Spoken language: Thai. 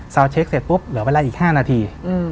เช็คเสร็จปุ๊บเหลือเวลาอีก๕นาที